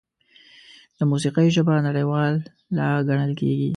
د موسیقۍ ژبه نړیواله ګڼل کېږي.